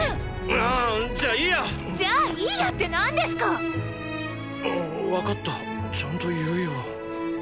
あぁじゃあいいや！じゃあいいやって何ですか⁉あーわかったちゃんと言うよ。